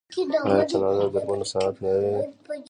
آیا کاناډا د درملو صنعت نلري؟